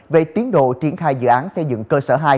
về tiến độ triển khai dự án xây dựng cơ sở hai